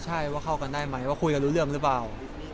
ใช่ว่าเข้ากันได้ไหมว่าคุยกันรู้เรื่องหรือเปล่า